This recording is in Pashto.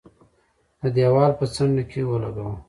د دېوال په څنډه کې ولګاوه.